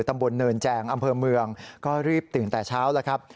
ตำบลเนินแจงอำเภอเมืองก็รีบตื่นแต่เช้าแล้วครับ